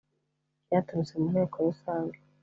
byaturutse mu nteko rusange